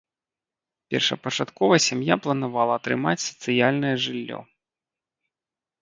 Першапачаткова сям'я планавала атрымаць сацыяльнае жыллё.